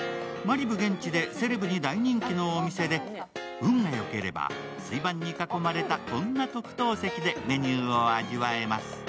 マリブ現地でセレブに大人気のお店で、運がよければ、水盤に囲まれたこんな特等席でメニューを味わえます。